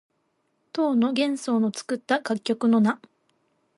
唐の玄宗の作った楽曲の名。